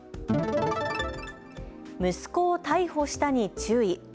息子を逮捕したに注意。